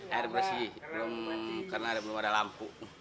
air bersih karena belum ada lampu